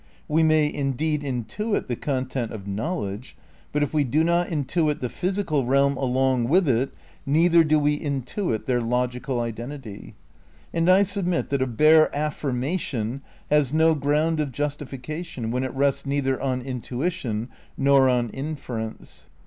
We may in deed intuit the content of knowledge, but if we do not intuit the physical realm along with it neither do we intuit their logical identity; and. I submit that a bare "affirmation" has no ground of justification when it rests neither on intuition nor on inference.